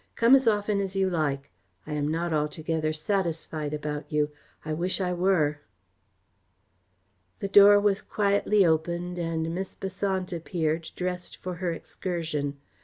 Come as often as you like. I am not altogether satisfied about you. I wish I were." The door was quietly opened, and Miss Besant appeared, dressed for her excursion.